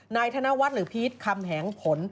ธนวัฒน์หรือพีชคำแหงผล